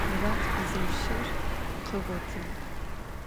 Murat bzıu şır khığotığ.